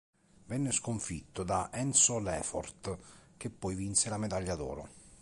Venne sconfitto da Enzo Lefort, che poi vinse la medaglia d'oro.